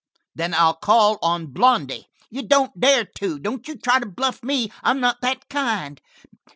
"Then I'll call on Blondy." "You don't dare to. Don't you try to bluff me. I'm not that kind."